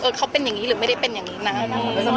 เขาเป็นอย่างนี้หรือไม่ได้เป็นอย่างนี้นะ